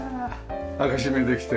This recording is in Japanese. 開け閉めできて。